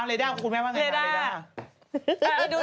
เลด้าคุณแม่ว่ายังไงคะเลด้า